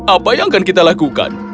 apa yang akan kita lakukan